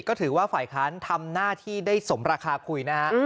ก็ถือว่าฝ่ายค้านทำหน้าที่ได้สมราคาคุยนะฮะ